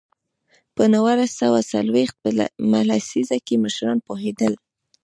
په نولس سوه څلوېښت مه لسیزه کې مشران پوهېدل.